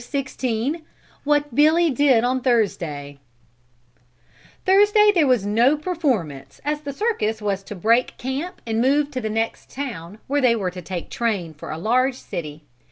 What Billy Did on Thursday Thursday there was no performance as the circus was to break camp and move to the next town where they were to take the train for a large city.